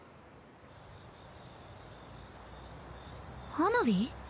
花火？